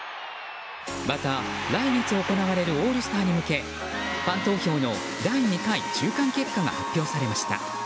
また、来月行われるオールスターに向けファン投票の第２回中間結果が発表されました。